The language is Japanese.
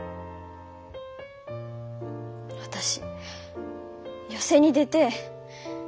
私寄席に出てえ。